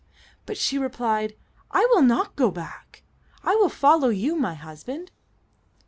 But she replied, "I will not go back; I will follow you, my husband."